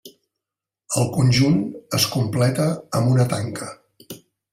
El conjunt es completa amb una tanca.